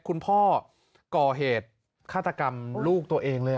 คุณพ่อก่อเหตุฆาตกรรมลูกตัวเองเลย